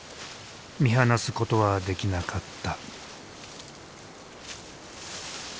見放すことはできなかった。